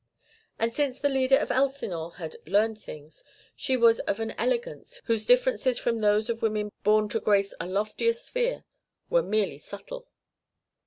And since the leader of Elsinore had "learned things" she was of an elegance whose differences from those of women born to grace a loftier sphere were merely subtle.